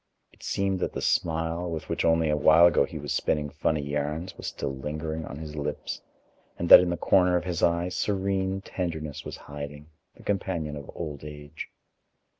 It seemed that the smile, with which only a while ago he was spinning funny yarns, was still lingering on his lips, and that in the corner of his eye serene tenderness was hiding, the companion of old age.